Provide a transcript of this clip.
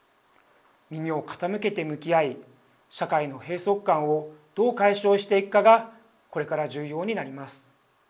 耳を傾けて向き合い社会の閉塞感をどう解消していくかがこれから重要になります。